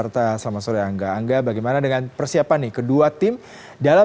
terima kasih yuda